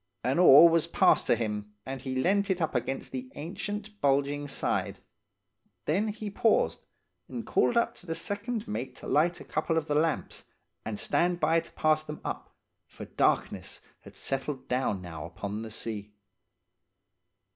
An oar was passed to him, and he leant it up against the ancient, bulging side; then he paused, and called to the second mate to light a couple of the lamps, and stand by to pass them up, for darkness had settled down now upon the sea.